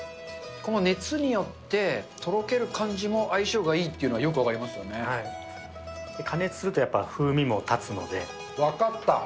熱によってとろける感じも相性がいいっていうのは、加熱するとやっぱ風味も立つ分かった。